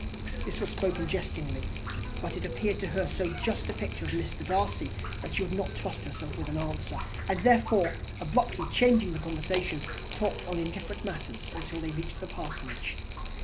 This was spoken jestingly, but it appeared to her so just a picture of Mr. Darcy, that she would not trust herself with an answer; and, therefore, abruptly changing the conversation, talked on indifferent matters till they reached the Parsonage.